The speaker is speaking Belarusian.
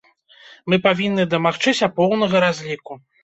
Мы павінны дамагчыся поўнага разліку.